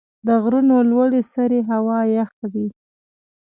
د غرونو لوړې سرې هوا یخ وي.